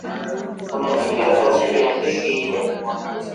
Unasikia sauti ya ndege ile?